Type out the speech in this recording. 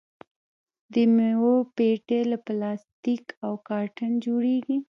د میوو پیټۍ له پلاستیک او کارتن جوړیږي.